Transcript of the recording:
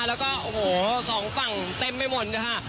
แล้วก็โอ้โหสองฝั่งเต็มไปหมดเลยค่ะ